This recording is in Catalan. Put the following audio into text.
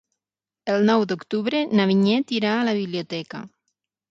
El nou d'octubre na Vinyet irà a la biblioteca.